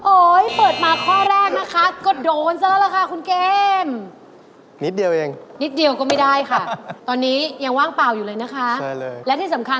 โอ๊ยเปิดมาข้อแรกนะคะก็โดนเสร็จแล้วล่ะค่ะคุณเกม